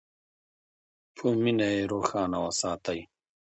په مینه یې روښانه وساتئ.